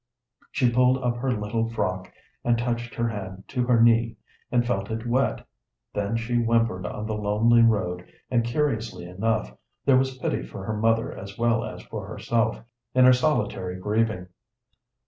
She pulled up her little frock and touched her hand to her knee, and felt it wet, then she whimpered on the lonely road, and, curiously enough, there was pity for her mother as well as for herself in her solitary grieving.